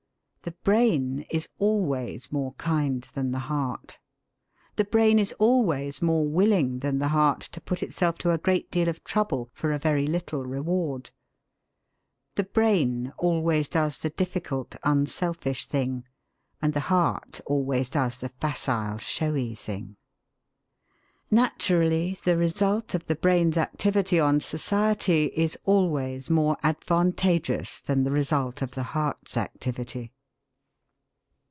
The brain is always more kind than the heart; the brain is always more willing than the heart to put itself to a great deal of trouble for a very little reward; the brain always does the difficult, unselfish thing, and the heart always does the facile, showy thing. Naturally the result of the brain's activity on society is always more advantageous than the result of the heart's activity.